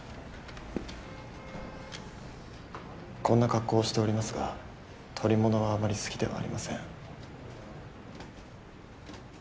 こんな格好をしておりますが捕り物はあまり好きではありません。